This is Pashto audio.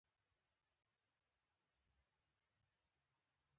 نن مې بده سترګه لوېږي خدای دې خیر کړي.